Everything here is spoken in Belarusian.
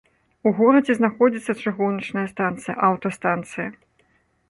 У горадзе знаходзіцца чыгуначная станцыя, аўтастанцыя.